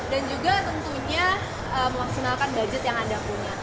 dan juga tentunya memaksimalkan budget yang anda punya